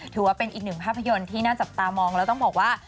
ถือว่าเป็นอีกหนึ่งภาพยนตร์ที่น่าจับตามองแล้วต้องบอกว่า